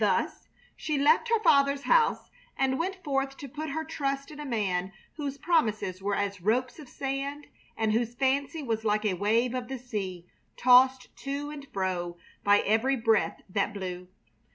Thus she left her father's house and went forth to put her trust in a man whose promises were as ropes of sand and whose fancy was like a wave of the sea, tossed to and fro by every breath that blew.